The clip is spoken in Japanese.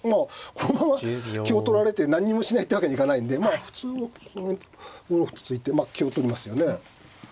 この香取られて何にもしないってわけにはいかないんで普通は５六歩と突いてまあ香を取りますよね。